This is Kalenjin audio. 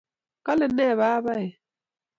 kale ne babae?